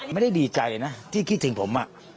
ไม่ได้ดีใจนะที่คิดถึงผม